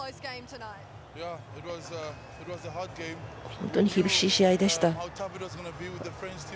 本当に厳しい試合でした。